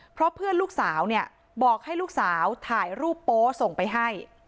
เพราะเพื่อนลูกสาวเนี่ยบอกให้ลูกสาวถ่ายรูปโป๊ส่งไปให้